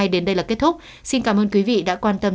đến đây là kết thúc xin cảm ơn quý vị đã quan tâm